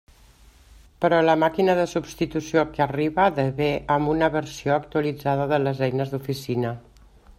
Però la màquina de substitució que arriba de ve amb una versió actualitzada de les eines d'oficina.